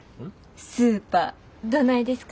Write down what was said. スーパーどないですか？